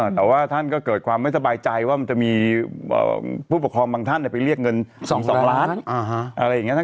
แต่ว่าท่านก็เกิดความไม่สบายใจว่ามันจะมีผู้ปกครองบางท่านไปเรียกเงิน๒๒ล้านอะไรอย่างนี้